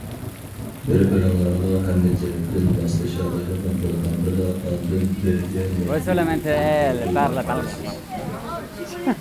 بىر بىرىڭلارغا ھەممە جەھەتتىن ماسلىشالايدىغان بولغاندىلا ئاندىن بىرگە مەڭگۈ ئۆتكىلى بولىدۇ دەپ قارايسىز.